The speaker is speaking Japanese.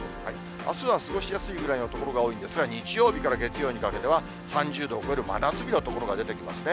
あすは過ごしやすいぐらいの所が多いんですが、日曜日から月曜日にかけては、３０度を超える真夏日の所が出てきますね。